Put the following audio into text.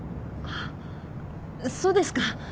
あっそうですか。